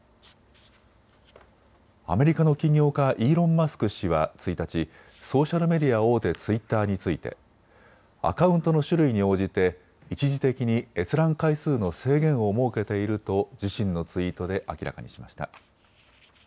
アメリカの起業家、イーロン・マスク氏は１日、ソーシャルメディア大手、ツイッターについてアカウントの種類に応じて一時的に閲覧回数の制限を設けていると自身のツイートで明らかにしました。